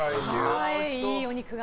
いいお肉が。